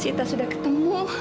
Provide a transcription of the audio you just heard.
sita sudah ketemu